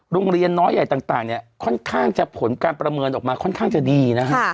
โรงเรียนน้อยใหญ่ต่างเนี่ยค่อนข้างจะผลการประเมินออกมาค่อนข้างจะดีนะฮะ